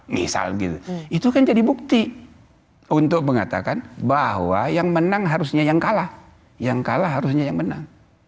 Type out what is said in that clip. misal gitu itu kan jadi bukti untuk mengatakan bahwa yang menang harusnya yang kalah yang kalah harusnya yang menang